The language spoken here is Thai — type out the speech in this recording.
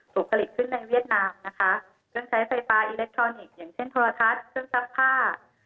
ถูกผลิตขึ้นในเวียดนามนะคะเครื่องใช้ไฟฟ้าอิเล็กทรอนิกส์อย่างเช่นโทรทัศน์เครื่องซักผ้า